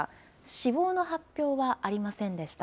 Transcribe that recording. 死亡の発表はありませんでした。